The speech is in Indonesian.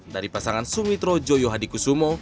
dari pasangan sumitro joyohadikusumo